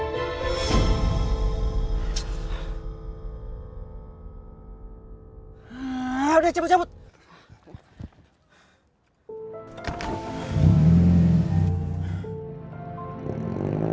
sampai jumpa di video selanjutnya